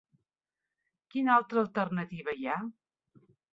Quina altra alternativa hi ha?